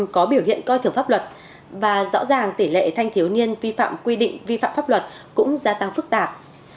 có biểu hiện coi thường pháp luật và rõ ràng tỷ lệ thanh thiếu niên vi phạm quy định vi phạm pháp luật cũng gia tăng phức tạp